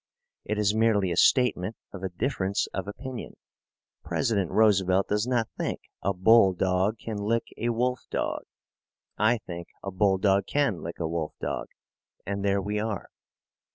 It is merely a statement of a difference of opinion. President Roosevelt does not think a bull dog can lick a wolf dog. I think a bull dog can lick a wolf dog. And there we are.